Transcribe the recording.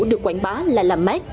được quảng bá là làm mát